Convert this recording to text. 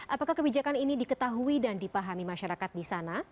apakah kebijakan ini diketahui dan dipahami masyarakat di sana